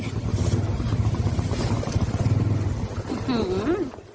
อืม